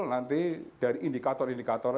nanti dari indikator indikator